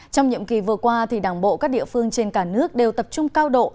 trong nhiệm kỳ vừa qua thì đảng bộ các địa phương trên cả nước đều tập trung cao độ